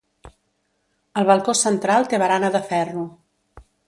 El balcó central té barana de ferro.